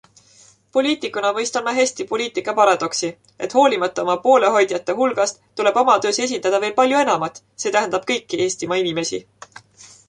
Poliitikuna mõistan ma hästi poliitika paradoksi, et hoolimata oma poolehoidjate hulgast tuleb oma töös esindada veel palju enamat, see tähendab kõiki Eestimaa inimesi.